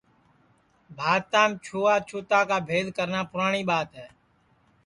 بھارتام چھوت اچھوتا کا بھید کرنا پُراٹؔی ٻات ہے